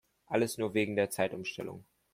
Alles nur wegen der Zeitumstellung!